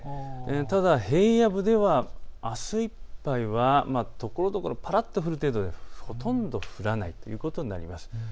ただ平野部ではあすいっぱいはところどころぱらっと降る程度でほとんど降らないということになります。